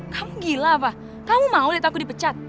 kamu gila apa kamu mau lihat aku dipecat